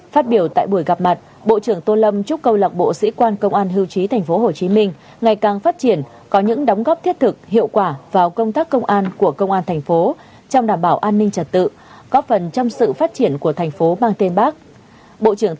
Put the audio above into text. phát biểu tại buổi gặp mặt bộ trưởng tô lâm chúc câu lạc bộ sĩ quan công an hưu trí tp hcm ngày càng phát triển có những đóng góp thiết thực hiệu quả vào công tác công an của công an thành phố trong đảm bảo an ninh trật tự góp phần trong sự phát triển của thành phố mang tên bác